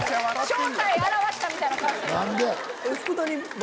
正体現したみたいな顔して。